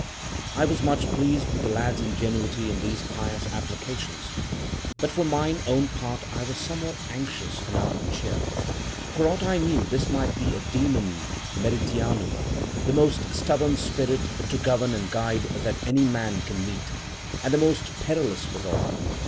"I was much pleased with the lad's ingenuity in these pious applications, but for mine own part I was somewhat anxious and out of cheer. For aught I knew this might be a dµmonium meridianum, the most stubborn spirit to govern and guide that any man can meet, and the most perilous withal.